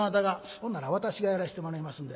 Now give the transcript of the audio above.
「ほんなら私がやらしてもらいますんで」。